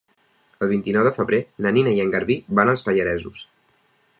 El vint-i-nou de febrer na Nina i en Garbí van als Pallaresos.